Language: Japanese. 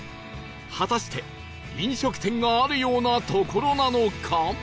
果たして飲食店があるような所なのか？